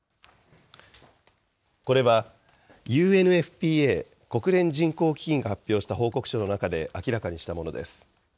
これはＵＮＦＰＡ・国連人口基金が発表した報告書の中で明らかにしたものです。